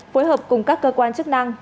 phối hợp cùng các cơ quan chức năng